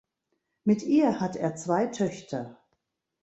Mit ihr hat er zwei Töchter.